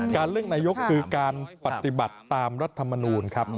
เลือกนายกคือการปฏิบัติตามรัฐมนูลครับ